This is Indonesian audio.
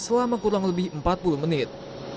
selama kurang lebih empat puluh menit